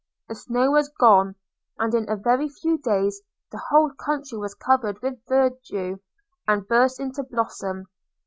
The snow was gone; and, in a very few days, the whole country was covered with verdure and burst into bloom.